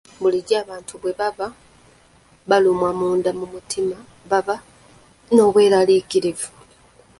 Bulijjo abantu bwe baba balumwa munda mu mitima baba n'obweraliikirivu.